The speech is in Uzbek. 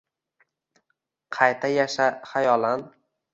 Qayta yasha xayolan.